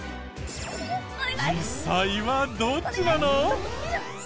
実際はどっちなの？